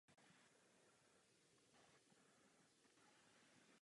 Richard Curtis je králem romantických komedií.